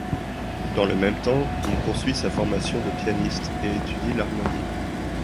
Dans le même temps, il poursuit sa formation de pianiste et étudie l'harmonie.